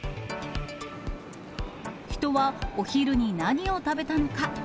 人はお昼に何を食べたのか。